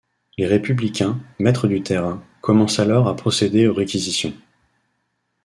Les Républicains, maîtres du terrain, commencent alors à procéder aux réquisitions.